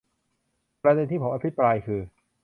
ประเด็นที่ผมอภิปรายคือ